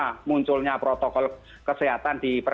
nah munculnya protokol kesehatan di perusahaan